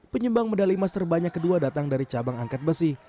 penyumbang medali emas terbanyak kedua datang dari cabang angkat besi